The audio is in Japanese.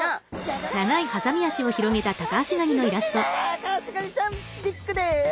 タカアシガニちゃんビッグです。